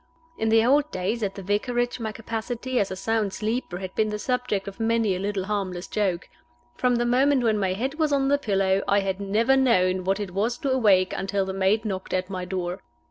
In the old days at the Vicarage my capacity as a sound sleeper had been the subject of many a little harmless joke. From the moment when my head was on the pillow I had never known what it was to awake until the maid knocked at my door.